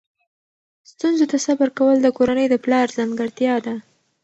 ستونزو ته صبر کول د کورنۍ د پلار ځانګړتیا ده.